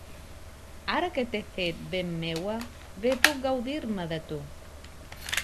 Ara que t’he fet ben meua, bé puc gaudir-me de tu.